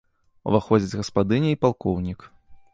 Уваходзяць гаспадыня і палкоўнік.